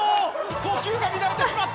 呼吸が乱れてしまった！